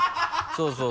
そうそう。